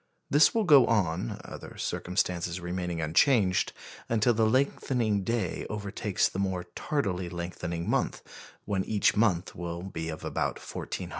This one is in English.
This will go on (other circumstances remaining unchanged) until the lengthening day overtakes the more tardily lengthening month, when each will be of about 1,400 hours.